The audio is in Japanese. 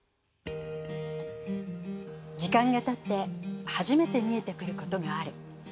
時間がたって初めて見えてくることがある。